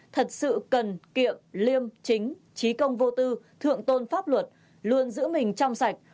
thật sự cần kiệm liêm chính trí công vô tư thượng tôn pháp luật luôn giữ mình trong sạch